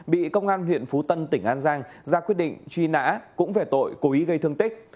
bị công an huyện phú tân tỉnh an giang ra quyết định truy nã cũng về tội cố ý gây thương tích